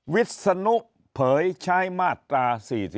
วิศนุเผยใช้มาตรา๔๔